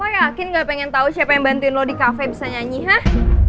lo yakin gak pengen tau siapa yang bantuin lo di kafe bisa nyanyi hah